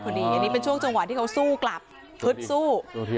อันนี้เป็นช่วงจังหวะที่เขาสู้กลับฮึดสู้